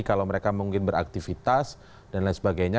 kalau mereka mungkin beraktivitas dan lain sebagainya